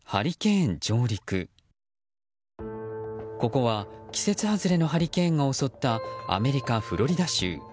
ここは季節外れのハリケーンが襲ったアメリカ・フロリダ州。